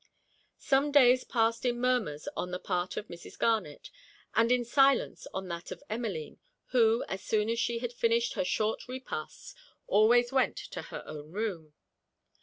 Some days passed in murmurs on the part of Mrs. Garnet, and in silence on that of Emmeline; who, as soon as she had finished her short repasts, always went to her own room.